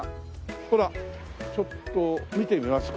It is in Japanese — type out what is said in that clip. ほらちょっと見てみますか。